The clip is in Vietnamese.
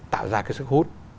tạo ra cái sức hút